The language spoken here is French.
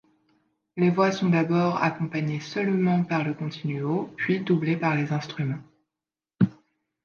Les voix sont d'abord accompagnées seulement par le continuo, puis doublé par les instruments.